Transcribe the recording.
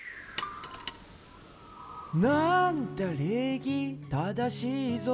「なあんだ礼儀正しいぞ」